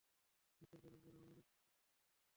নিশ্চিত করুন যেন আমাদের লোকদের সাথে ভালো আচরণ হয়।